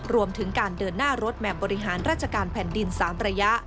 รวมถึงการเดินหน้ารถแมพบริหารราชการแผ่นดิน๓ระยะ